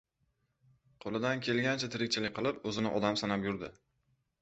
Qo‘lidan kelgancha tirikchilik qilib, o‘zini odam sanab yurdi.